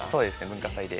文化祭で。